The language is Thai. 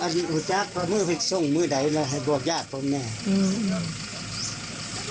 แต่มื้อเผ็ดซ่องมื้อใดระเบาะยาตรต้นแน่